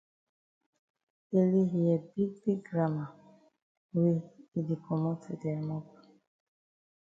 Ele hear big big gramma wey e di komot for dia mop.